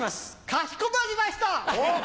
かしこまりました！